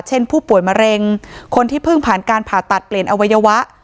ผู้ป่วยมะเร็งคนที่เพิ่งผ่านการผ่าตัดเปลี่ยนอวัยวะ